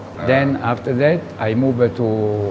หลังจากนั้นฉันกลับมา